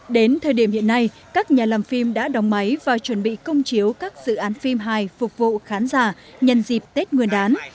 đến thời điểm hiện nay các nhà làm phim đã đóng máy và chuẩn bị công chiếu các dự án phim hài phục vụ khán giả nhân dịp tết nguyên đán